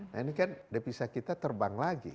nah ini kan di pisah kita terbang lagi